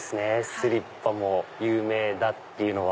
スリッパも有名だっていうのは。